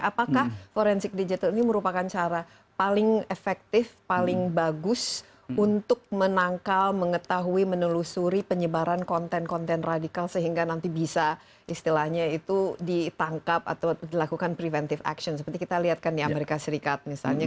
apakah forensik digital ini merupakan cara paling efektif paling bagus untuk menangkal mengetahui menelusuri penyebaran konten konten radikal sehingga nanti bisa istilahnya itu ditangkap atau dilakukan preventif action seperti kita lihat kan di amerika serikat misalnya